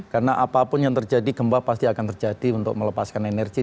karena apapun yang terjadi gempa pasti akan terjadi untuk melepaskan energi